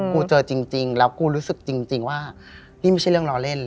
กูเจอจริงแล้วกูรู้สึกจริงว่านี่ไม่ใช่เรื่องล้อเล่น